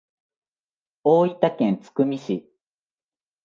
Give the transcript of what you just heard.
大分県津久見市